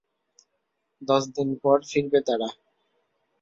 দশদিন পর ফিরবে তারা।